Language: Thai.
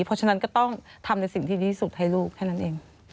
เพราะฉะนั้นก็ต้องทำในสิ่งที่ดีที่สุดให้ลูกแค่นั้นเอง